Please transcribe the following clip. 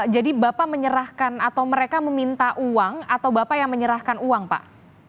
jadi bapak menyerahkan atau mereka meminta uang atau bapak yang menyerahkan uang pak